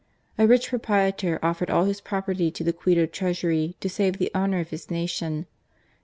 A rich proprietor offered all his property to the Quito treasury to save the honour of his nation.